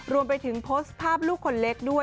รวมไปถึงโพสต์ภาพลูกคนเล็กด้วย